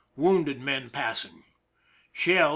Wounded men passing. Shell S.